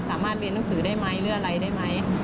สามารถเรียนหนังสือได้ไหมหรืออะไรได้ไหม